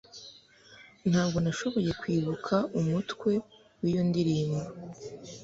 Ntabwo nashoboye kwibuka umutwe w'iyo ndirimbo.